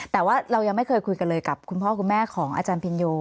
แต่ว่าเรายังไม่เคยคุยกันเลยกับคุณพ่อคุณแม่ของอาจารย์พินโย